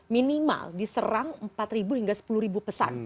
minimal diserang empat hingga sepuluh pesan